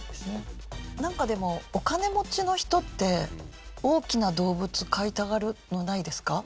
なんかでもお金持ちの人って大きな動物飼いたがるのないですか？